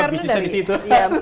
bisnisnya di situ